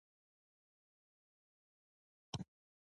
دماغي کار نه شوای کولای.